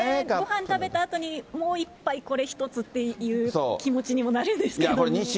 ごはん食べたあとに、もう１杯、これ１つという気持ちにもなるんですけどね。